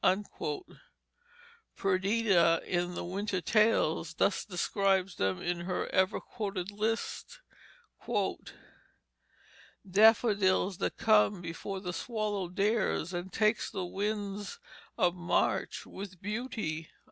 Perdita, in The Winter's Tale, thus describes them in her ever quoted list: "Daffodils that come before the swallow dares and take the winds of March with beauty."